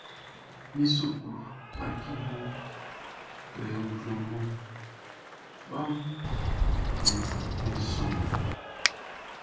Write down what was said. Min suklu saciʼn nunʼn, crayon klanman kpaʼm be sɔnnin.